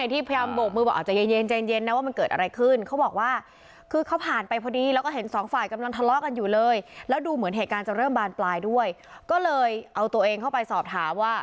ที่พยายามบกมือบอกว่า